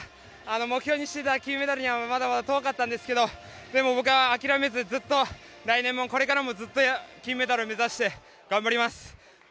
目標にしていた金メダルにはまだまだ遠かったんですがでも、僕は諦めずずっと来年も、これからもずっと金メダルを目指して頑張ります。